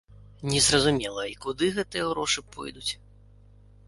Незразумела, і куды гэтыя грошы пойдуць.